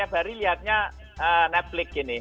jadi tiap hari lihatnya netflix gini